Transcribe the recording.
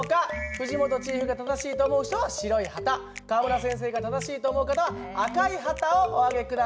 藤本チーフが正しいと思う人は白い旗川村先生が正しいと思う方は赤い旗をお上げ下さい。